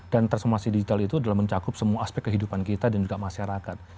dan transformasi digital itu adalah mencakup semua aspek kehidupan kita dan juga masyarakat